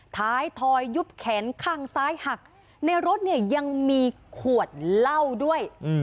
ท้ายทอยยุบแขนข้างซ้ายหักในรถเนี่ยยังมีขวดเหล้าด้วย